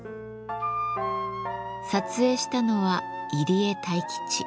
撮影したのは入江泰吉。